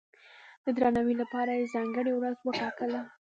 د درناوي لپاره یې ځانګړې ورځ وټاکله.